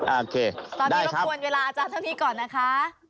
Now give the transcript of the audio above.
โอเคได้ครับตอนนี้เราปวนเวลาอาจารย์เท่านี้ก่อนนะคะ